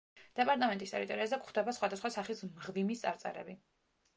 დეპარტამენტის ტერიტორიაზე გვხვდება სხვადასხვა სახის მღვიმის წარწერები.